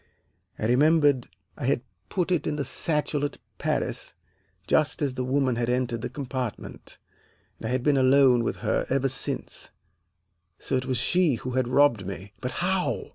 I remembered I had put it in the satchel at Paris just as that woman had entered the compartment, and I had been alone with her ever since, so it was she who had robbed me. But how?